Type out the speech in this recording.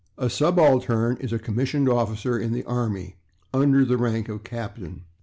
A /subaltern/ is a commissioned officer in the army, under the rank of [Pg106] captain.